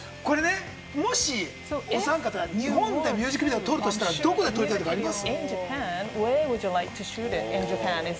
で、これね、もし、お三方、日本でミュージックビデオを撮るとしたら、どこで撮りたいとかあります？